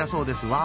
わ